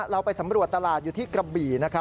เราไปสำรวจตลาดอยู่ที่กระบี่นะครับ